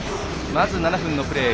まず７分のプレー。